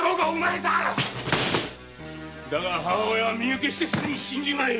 だが母親は身請けしてすぐ死んじまい